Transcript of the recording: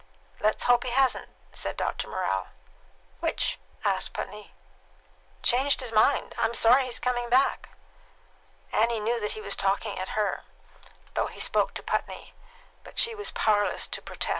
"Let's hope he hasn't," said Dr. Morrell. "Which?" asked Putney. "Changed his mind. I'm sorry he's coming back." Annie knew that he was talking at her, though he spoke to Putney; but she was powerless to protest. XXVIII.